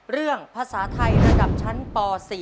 เรื่องภาษาไทยระดับชั้นป๔